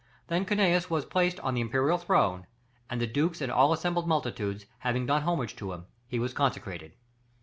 Then Cunius was placed on the imperial throne, and the dukes and all the assembled multitudes having done homage to him, he was consecrated.